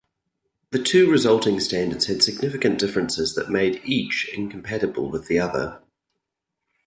The two resulting standards had significant differences that made each incompatible with the other.